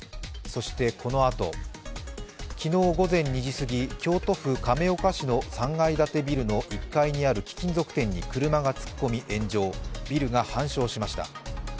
そしてこのあと昨日午前２時すぎ京都府亀岡市の３階建てのビルの１階にある貴金属店に車が突っ込み炎上、ビルが半焼しました。